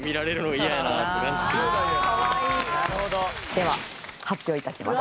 では発表致します。